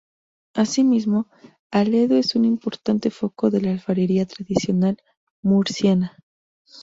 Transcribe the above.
Asimismo, Aledo es un importante foco de la alfarería tradicional murciana.